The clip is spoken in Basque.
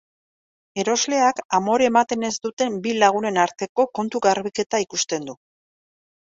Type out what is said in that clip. Erosleak amore ematen ez duten bi lagunen arteko kontu garbiketa ikusten du.